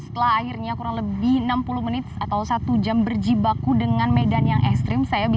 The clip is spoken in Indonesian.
setelah akhirnya kurang lebih enam puluh menit atau satu jam berjibaku dengan medan yang ekstrim